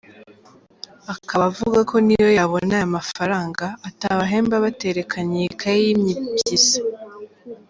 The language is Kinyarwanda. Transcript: Akaba avuga ko niyo yabona aya mafaranga atabahemba baterekanye iyi kayi y’imibyizi.